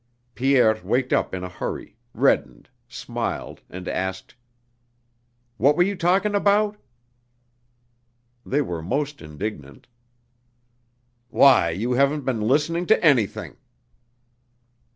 Pierre waked up in a hurry, reddened, smiled and asked: "What were you talking about?" They were most indignant. "Why, you haven't been listening to anything!"